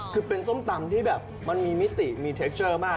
คือเป็นส้มตำที่แบบมันมีมิติมีเทคเจอร์มาก